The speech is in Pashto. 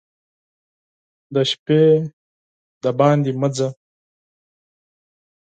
د شپې له خوا دباندي مه ځه !